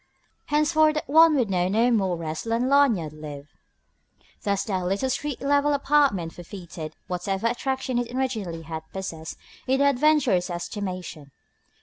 Henceforth that one would know no more rest while Lanyard lived. Thus that little street level apartment forfeited whatever attractions it originally had possessed in the adventurer's estimation.